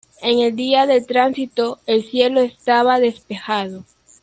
En el día del tránsito, el cielo estaba despejado.